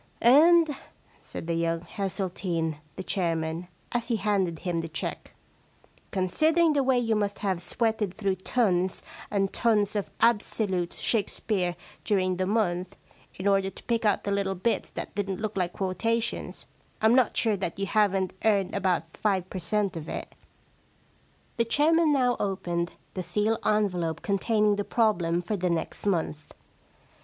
*And,' said young Hesseltine, the chair man, as he handed him the cheque, * con sidering the way you must have sweated through tons and tons of absolute Shakespeare during the month, in order to pick out the little bits that didn't look like quotations, I'm 142 The Shakespearean Problem not sure that you haven't earned about five per cent, of it/ The chairman now opened the sealed en velope containing the problem for the next month.